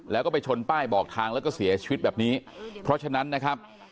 แล้วก็ไปชนป้ายบอกทางแล้วก็เสียชีวิตแบบนี้เพราะฉะนั้นนะครับ